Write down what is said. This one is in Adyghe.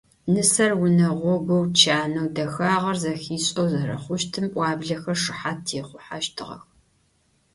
Нысэр унэгъогоу, чанэу, дэхагъэр зэхишӏэу зэрэхъущтым пӏуаблэхэр шыхьат техъухьэщтыгъэх.